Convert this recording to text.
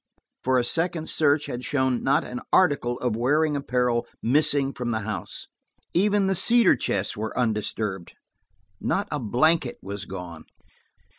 For a second search had shown not an article of wearing apparel missing from the house. Even the cedar chests were undisturbed; not a blanket was gone.